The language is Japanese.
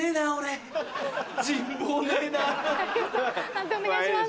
判定お願いします。